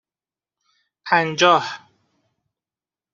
پنجاه